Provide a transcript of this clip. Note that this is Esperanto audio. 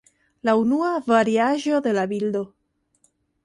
La unua variaĵo de la bildo.